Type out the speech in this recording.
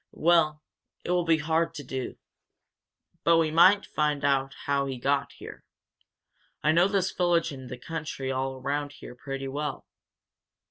"Well, it will be hard to do. But we might find out how he got here. I know this village and the country all around here pretty well.